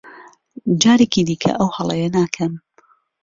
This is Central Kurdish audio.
جارێکی دیکە ئەو هەڵەیە ناکەم.